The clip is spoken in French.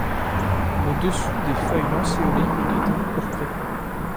Le dessous des feuilles lancéolées est de teinte pourprée.